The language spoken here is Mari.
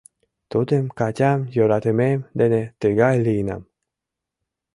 Тудым, Катям, йӧратымем дене тыгай лийынам...